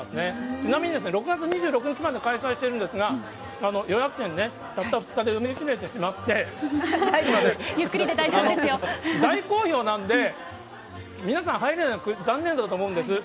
ちなみにですね、６月２６日まで開催してるんですが、予約チケットね、たった２日で売り切れてしまって、大好評なんで、皆さん、入れなくて残念だと思うんです。